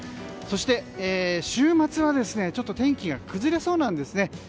そして、週末は天気が崩れそうなんです。